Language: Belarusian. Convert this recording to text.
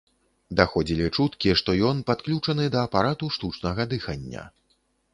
Даходзілі чуткі, што ён падключаны да апарату штучнага дыхання.